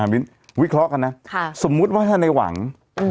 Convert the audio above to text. อ่าวิเคราะห์กันนะค่ะสมมุติว่าถ้าในหวังอืม